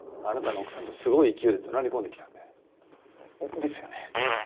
あなたの奥さんとすごい勢いで怒鳴り込んできたんで。ですよね。